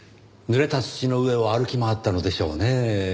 ぬれた土の上を歩き回ったのでしょうねぇ。